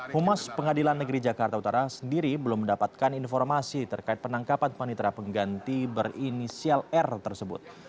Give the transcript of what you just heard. humas pengadilan negeri jakarta utara sendiri belum mendapatkan informasi terkait penangkapan panitra pengganti berinisial r tersebut